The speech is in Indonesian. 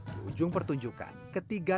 di ujung pertunjukan ketiga